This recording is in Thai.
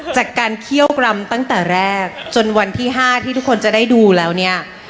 เคี่ยวกรำตั้งแต่แรกจนวันที่๕ที่ทุกคนจะได้ดูแล้วเนี่ย